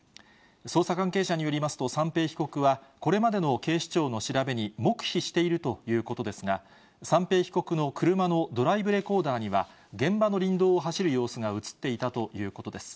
捜査関係者によりますと、三瓶被告は、これまでの警視庁の調べに黙秘しているということですが、三瓶被告の車のドライブレコーダーには、現場の林道を走る様子が映っていたということです。